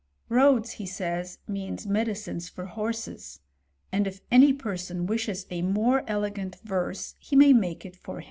* Roades, he says, means medicines for horses; and if any person wishes a more elegant verse, he may make it for himself.